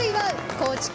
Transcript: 高知県